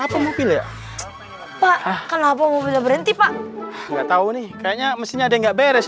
apa mobil ya pak kenapa mobil berhenti pak nggak tahu nih kayaknya mesinnya nggak beres